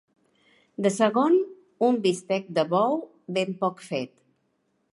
De segon: un bistec de bou ben poc fet.